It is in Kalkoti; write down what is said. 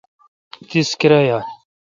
تیس کرایال؟